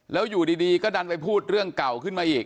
แล้วอยู่ดีก็ดันไปพูดเรื่องเก่าขึ้นมาอีก